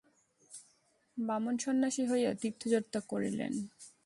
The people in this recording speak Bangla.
বামন সন্ন্যাসী হইয়া তীর্থযাত্রা করিলেন।